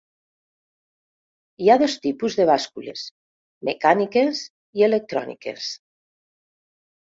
Hi ha dos tipus de bàscules: mecàniques i electròniques.